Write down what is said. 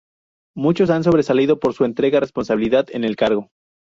Muchos han sobresalido por su entrega, responsabilidad en el cargo.